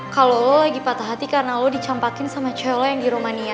kalau lu lagi patah hati karena lu dicampakin sama cewek lu yang di romania